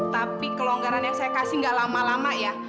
tapi kelonggaran yang saya kasih gak lama lama ya